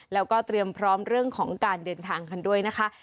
แล้วก็เตรียมพร้อมเรื่องของการเดินทางกันด้วยนะคะ